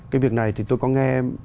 cái việc này thì tôi có nghe